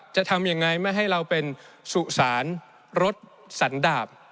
จะทำยังไงไม่ให้เราเป็นสุสานรถสันดาบ